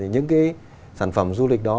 những sản phẩm du lịch đó